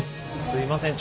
すいません